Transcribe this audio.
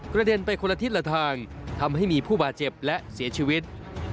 เด็นไปคนละทิศละทางทำให้มีผู้บาดเจ็บและเสียชีวิต